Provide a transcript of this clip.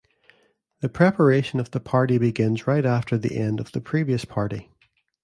The preparation of the party begins right after the end of the previous party.